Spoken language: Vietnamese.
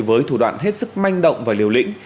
với thủ đoạn hết sức manh động và liều lĩnh